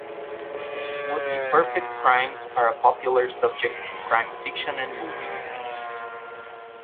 Would-be perfect crimes are a popular subject in crime fiction and movies.